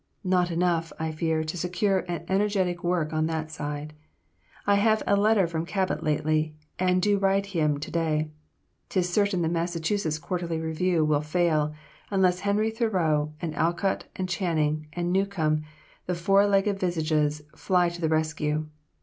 Not enough, I fear, to secure an energetic work on that side. I have a letter from Cabot lately and do write him to day. 'Tis certain the Massachusetts 'Quarterly Review' will fail, unless Henry Thoreau, and Alcott, and Channing and Newcome, the fourfold visages, fly to the rescue.